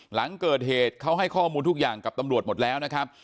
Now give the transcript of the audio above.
หลังเกิดเหตุเขาให้ข้อมูลทุกอย่างกับตำรวจหมดแล้วนะครับ